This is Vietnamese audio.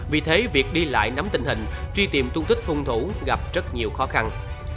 vì thế việc đi lại nắm tình hình truy tìm tuân thích hung thủ gặp rất nhiều khó khăn